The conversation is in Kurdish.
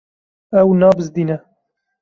Ew nabizdîne.